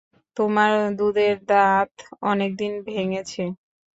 তোমার দুধের দাঁত অনেক দিন ভেঙেছে।